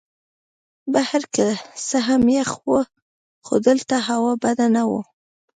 بهر که څه هم یخ وو خو دلته هوا بده نه وه.